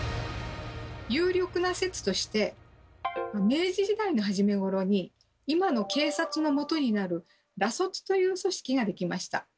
有力な説として明治時代の初めごろに今の警察の基になる「ら卒」という組織ができました。